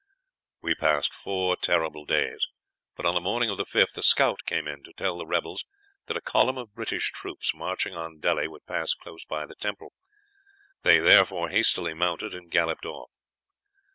"We passed four terrible days, but on the morning of the fifth a scout came in to tell the rebels that a column of British troops marching on Delhi would pass close by the temple. They therefore hastily mounted and galloped off.